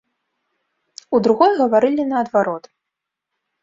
У другой гаварылі наадварот.